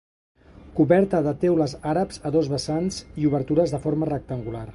Coberta de teules àrabs a dos vessants i obertures de forma rectangular.